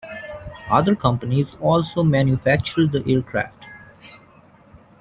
Other companies also manufactured the aircraft.